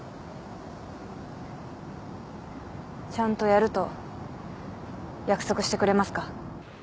ちゃんとやると約束してくれますか。